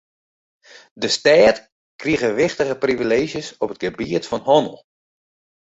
De stêd krige wichtige privileezjes op it gebiet fan hannel.